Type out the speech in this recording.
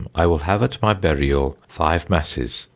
I will have at my buryall 5 masses.